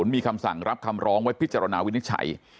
มีคำสั่งรับคำร้องไว้พิจารณาวินิจฉัย